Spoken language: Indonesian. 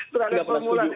tidak ada formula